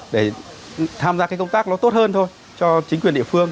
để tham gia cái công tác nó tốt hơn thôi cho chính quyền địa phương